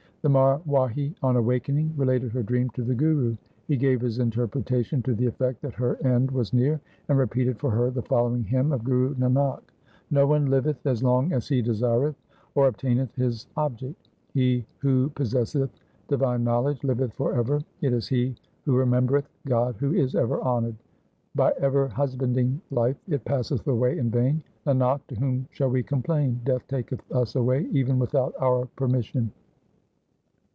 THE SIKH RELIGION The Marwahi on awaking related her dream to the Guru. He gave his interpretation to the effect that her end was near, and repeated for her the following hymn of Guru Nanak :— No one liveth as long as he desireth, or obtaineth his object. He who possesseth divine knowledge liveth for ever ; it is he who remembereth God who is ever honoured. By ever husbanding life it passeth away in vain. Nanak, to whom shall we complain ? Death taketh us away even without our permission.